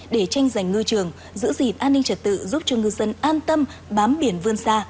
để tranh giành ngư trường giữ gìn an ninh trật tự giúp cho ngư dân an tâm bám biển vươn xa